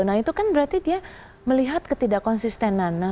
nah itu kan berarti dia melihat ketidak konsisten anak